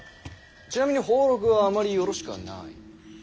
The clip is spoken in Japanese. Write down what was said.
ちなみに俸禄はあまりよろしくはない。